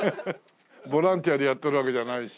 ボランティアでやってるわけじゃないしね。